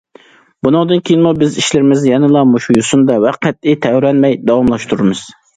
بۇنىڭدىن كېيىنمۇ بىز ئىشلىرىمىزنى يەنىلا مۇشۇ يوسۇندا ۋە قەتئىي تەۋرەنمەي داۋاملاشتۇرىمىز.